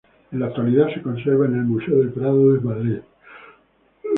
En la actualidad se conserva en el Museo del Prado de Madrid.